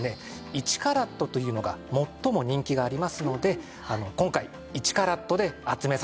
１カラットというのが最も人気がありますので今回１カラットで集めさせて頂きました。